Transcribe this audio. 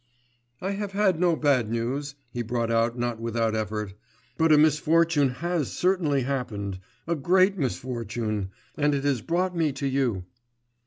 'I have had no bad news,' he brought out not without effort, 'but a misfortune has certainly happened, a great misfortune ... and it has brought me to you.